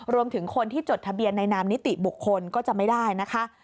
รวมถึงคนที่จดทะเบียนในนามนิติบุคคลก็จะไม่ได้นะคะ